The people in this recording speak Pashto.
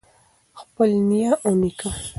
خپل نیا او نیکه